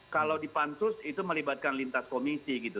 kalau di pansus itu melibatkan lintas komisi gitu